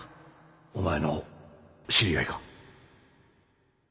お前の知り合いか？